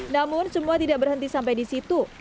namun semua tidak berhenti sampai di situ